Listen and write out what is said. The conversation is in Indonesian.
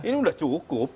ini udah cukup